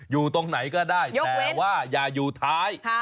อยู่ตรงไหนก็ได้แต่ว่าอย่าอยู่ท้าย